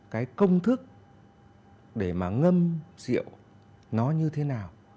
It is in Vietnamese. cái công thức để mà ngâm rượu nó như thế nào